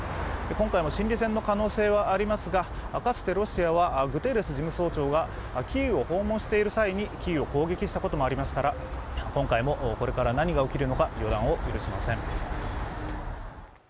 今回も心理戦の可能性はありますがかつてロシアはグテーレス事務総長がキーウを訪問している際にキーウを攻撃したこともありますから、今回もこれから何が起きるか予断を許しません。